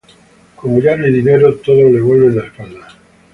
Como ya no hay dinero, todos le vuelven la espalda.